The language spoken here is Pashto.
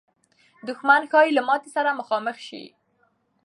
دښمن ښایي له ماتې سره مخامخ سي.